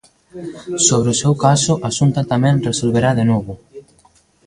Sobre o seu caso, a Xunta tamén resolverá de novo.